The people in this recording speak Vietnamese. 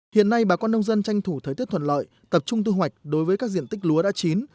hiện nay bà con nông dân tranh thủ thời tiết thuận lợi tập trung thu hoạch đối với các diện tích lúa đã chín